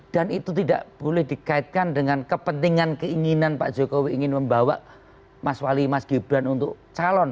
dan itu tidak boleh dikaitkan dengan kepentingan keinginan pak jokowi ingin membawa mas wali mas gibran untuk calon